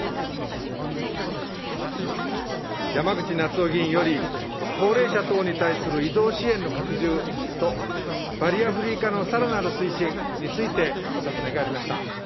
山口那津男議員より、高齢者等に対する移動支援の拡充と、バリアフリー化のさらなる推進についてお尋ねがありました。